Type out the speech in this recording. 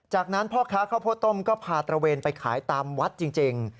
จากนั้นพ่อค้าข้าวโพดต้มก็พาตระเวนไปขายตามวัดจริง